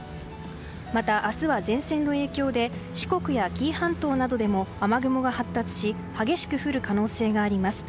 また、明日は前線の影響で四国や紀伊半島などでも雨雲が発達し激しく降る可能性があります。